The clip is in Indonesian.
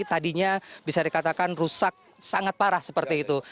tadinya bisa dikatakan rusak sangat parah seperti itu